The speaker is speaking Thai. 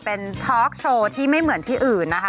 เป็นทอล์กโชว์ที่ไม่เหมือนที่อื่นนะคะ